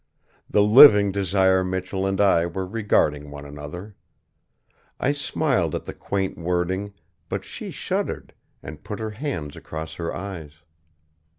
The living Desire Michell and I were regarding one another. I smiled at the quaint wording, but she shuddered, and put her hands across her eyes.